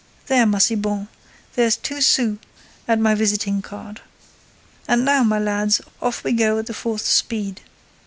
There, Massiban, here's two sous and my visiting card. And now, my lads, off we go at the fourth speed.